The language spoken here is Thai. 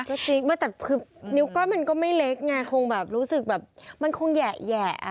ก็จิ๊กมากแต่คือนิ้วก้อยมันก็ไม่เล็กไงคงแบบรู้สึกแบบมันคงแหยะ